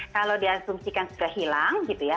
kalau di asumsikan sudah hilang gitu ya